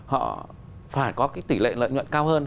họ phải có cái tỷ lệ lợi nhuận cao hơn